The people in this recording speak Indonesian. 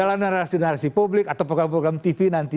dalam narasi narasi publik atau program program tv nanti